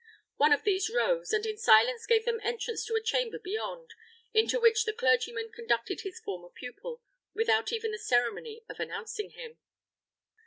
One of these rose, and in silence gave them entrance to a chamber beyond, into which the clergyman conducted his former pupil, without even the ceremony of announcing him.